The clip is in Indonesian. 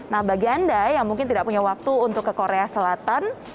nah bagi anda yang mungkin tidak punya waktu untuk ke korea selatan